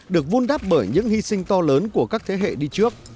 được vun đắp bởi những hy sinh to lớn của các thế hệ đi trước